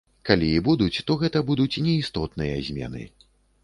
Калі і будуць, то гэта будуць неістотныя змены.